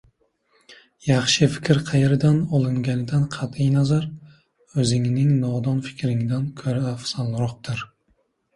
yaxshi fikr qayerdan olinganidan qat’iy nazar, o‘zingning nodon fikringdan ko‘ra afzalroqdir.